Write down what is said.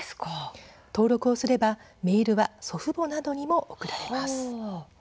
登録をすればメールは祖父母などにも送られます。